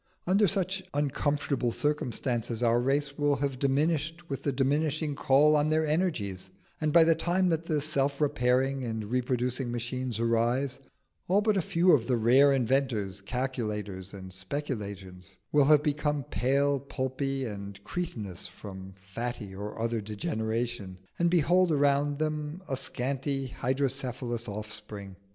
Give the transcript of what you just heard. Under such uncomfortable circumstances our race will have diminished with the diminishing call on their energies, and by the time that the self repairing and reproducing machines arise, all but a few of the rare inventors, calculators, and speculators will have become pale, pulpy, and cretinous from fatty or other degeneration, and behold around them a scanty hydrocephalous offspring.